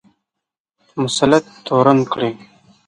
په مصلحت تورن کړي.